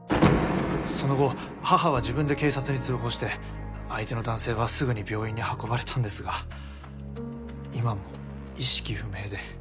その後母は自分で警察に通報して相手の男性はすぐに病院に運ばれたんですが今も意識不明で。